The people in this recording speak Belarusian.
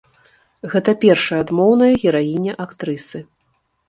Гэта першая адмоўная гераіня актрысы.